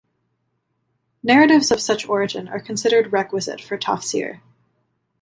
Narratives of such origin are considered requisite for tafsir.